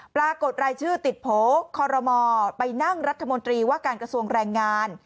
ปรากฏรายชื่อติดโผล่คอรมอไปนั่งรัฐมนตรีว่าการกระทรวงแรงงาน